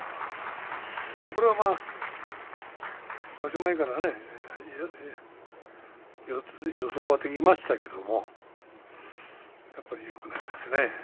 これは、まあ場所前からね予想はできましたけれどもやっぱりよくないですね。